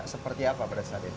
seperti apa pada saat itu